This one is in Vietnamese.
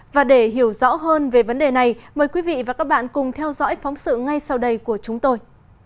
và để hiểu rõ hơn về vấn đề này mời quý vị và các bạn cùng theo dõi phóng sự ngay sau đây của chúng tôi